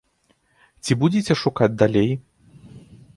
Ці будзеце шукаць далей?